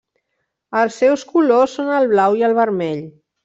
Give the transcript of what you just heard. Els seus colors són el blau i el vermell.